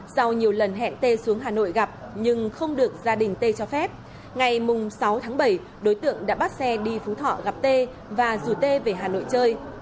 sau nhiều lần hẹn t xuống hà nội gặp nhưng không được gia đình tê cho phép ngày sáu tháng bảy đối tượng đã bắt xe đi phú thọ gặp t và rủ tê về hà nội chơi